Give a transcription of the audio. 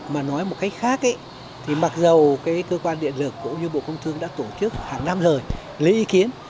mà nói một cách khác mặc dù cơ quan điện lực cũng như bộ công thương đã tổ chức hàng năm lời lý ý kiến